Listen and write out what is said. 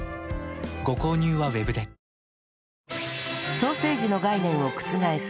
ソーセージの概念を覆す